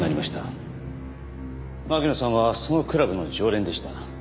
巻乃さんはそのクラブの常連でした。